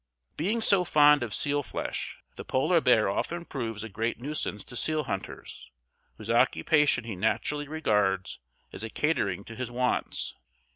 "Being so fond of seal flesh, the Polar bear often proves a great nuisance to sealhunters, whose occupation he naturally regards as a catering to his wants.